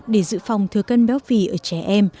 để dự phòng thừa cân béo phì ở trẻ em